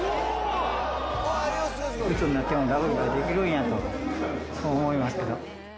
いくつになってもラグビーができるんやと、そう思いましたよ。